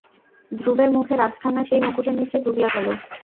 ধ্রুবের মুখের আধখানা সেই মুকুটের নীচে ডুবিয়া গেল।